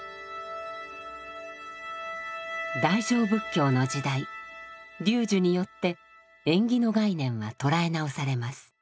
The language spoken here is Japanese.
大乗仏教の時代龍樹によって縁起の概念は捉え直されます。